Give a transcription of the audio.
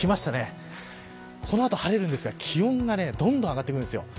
この後、晴れるんですが気温がどんどん上がってくるんです。